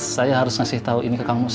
saya harus ngasih tahu ini ke kamu